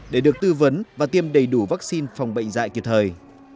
để được tư vấn và tiêm đầy đủ vaccine phòng bệnh dạy kịp thời